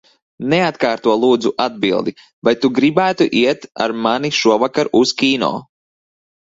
Neatkārto, lūdzu, atbildi. Vai tu gribētu iet ar mani šovakar uz kino?